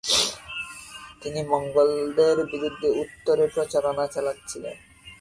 তিনি মঙ্গোলদের বিরুদ্ধে উত্তরে প্রচারণা চালাচ্ছিলেন।